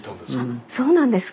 あっそうなんですか。